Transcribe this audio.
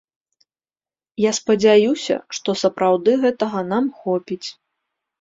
Я спадзяюся, што сапраўды гэтага нам хопіць.